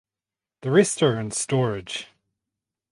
The rest are in storage.